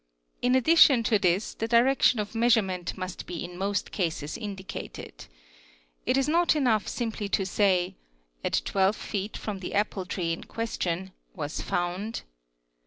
In addition to this the direction of measurement rust be in most cases indicated. It is not enough simply to say "at 12 fee from the apple tree in question was found.